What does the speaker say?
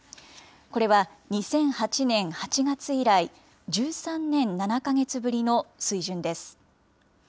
これは２００８年８月以来、１３年７か月ぶりの水準です。